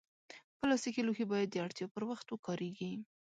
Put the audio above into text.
پلاستيکي لوښي باید د اړتیا پر وخت وکارېږي.